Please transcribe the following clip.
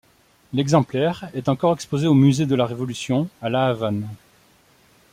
L'exemplaire est encore exposé au Musée de la Révolution à La Havane.